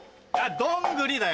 どんぐりだよ。